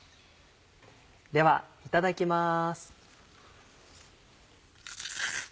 ではいただきます。